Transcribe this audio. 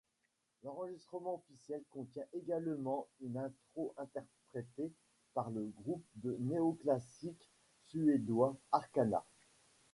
L'enregistrement officiel contient également une intro interprétée par le groupe de néoclassique suédois Arcana.